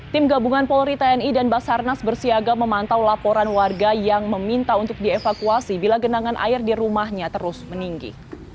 tim gabungan polri tni dan basarnas bersiaga memantau laporan warga yang meminta untuk dievakuasi bila genangan air di rumahnya terus meninggi